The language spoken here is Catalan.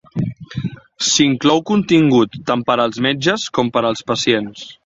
S'inclou contingut tant per als metges com per als pacients.